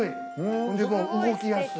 ほんで動きやすい。